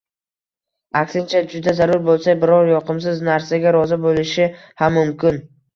aksincha, juda zarur bo‘lsa, biror yoqimsiz narsaga rozi bo‘lishi ham mumkin.